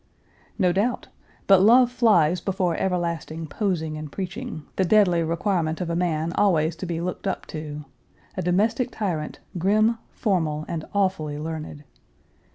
"No doubt. But love flies before everlasting posing and preaching the deadly requirement of a man always to be looked up to a domestic tyrant, grim, formal, and awfully learned.